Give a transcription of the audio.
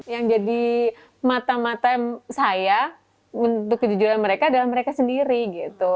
yang jadi mata mata saya untuk kejujuran mereka adalah mereka sendiri gitu